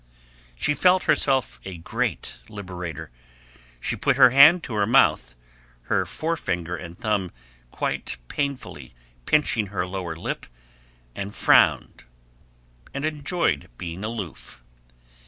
She felt herself a great liberator. She put her hand to her mouth, her forefinger and thumb quite painfully pinching her lower lip, and frowned, and enjoyed being aloof.